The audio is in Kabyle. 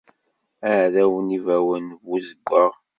Aɛdaw n yibawen d buzeggaɣ.